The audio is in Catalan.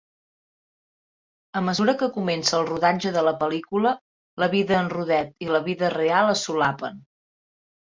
A mesura que comença el rodatge de la pel·lícula, la vida en rodet i la vida real es solapen.